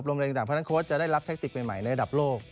อบรมการได้กินต่างครั้งแล้วจะได้รับแท็กติกใหม่ในระดับโลก